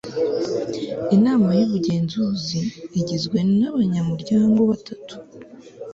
inama y'ubugenzuzi igizwe n'abanyamuryango batatu